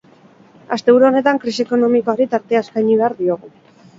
Asteburu honetan krisi ekonomikoari tartea eskaini behar diogu.